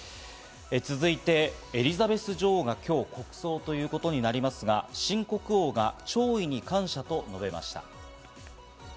続いて、エリザベス女王が今日、国葬ということになりますが、新国王が弔意に感謝と述べました。